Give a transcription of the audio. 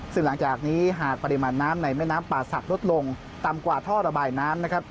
ซึ่งหลังจากนี้หากปริมาณน้ำในแม่น้ำป่าศักดิ์ลดลงต่ำกว่าท่อระบายน้ำนะครับ